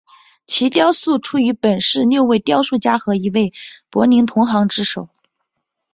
其雕塑出于本市六位雕塑家和一位柏林同行之手。